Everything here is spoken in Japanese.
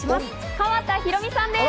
川田裕美さんです。